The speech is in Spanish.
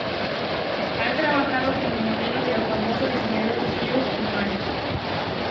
Ha trabajado como modelo del famoso diseñador Giorgio Armani.